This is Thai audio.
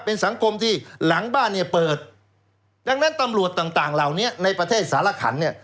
เป็นสังคมที่หลังบ้านเนี่ยเปิดดังนั้นตำรวจต่างต่างเหล่านี้ในประเทศสารขันเนี่ย